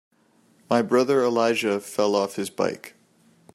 My brother Elijah fell off his bike.